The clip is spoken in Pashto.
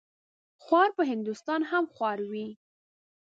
خوار په هندوستان هم خوار وي.